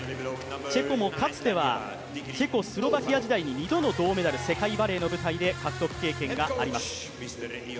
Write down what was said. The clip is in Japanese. チェコもかつては、チェコスロバキア時代に、２度の世界バレーの舞台で獲得経験があります。